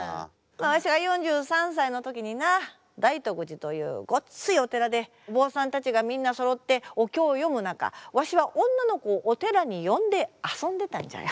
わしが４３歳の時にな大徳寺というごっついお寺で坊さんたちがみんなそろってお経を読む中わしは女の子をお寺に呼んで遊んでたんじゃよ。